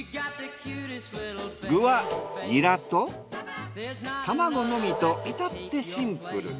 具はニラと卵のみといたってシンプル。